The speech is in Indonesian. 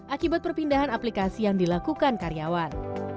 akibat perpindahan aplikasi yang dilakukan karyawan